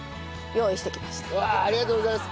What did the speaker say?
うわあありがとうございます！